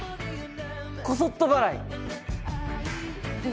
こそっと払い。